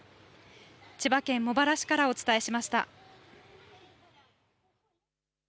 千葉県茂原市からお伝えしました。